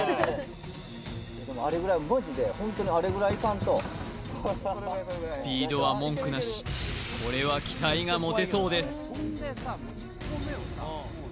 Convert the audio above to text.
あれぐらいマジでホントにあれぐらいいかんとスピードは文句なしこれは期待が持てそうです